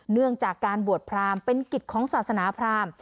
เนื่องจากการบวชพรามเป็นกิจของศาสนาพราม